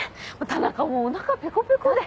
田中もうお腹ペコペコで。